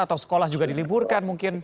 atau sekolah juga diliburkan mungkin